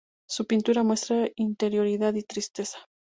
Su pintura muestra interioridad y tristeza.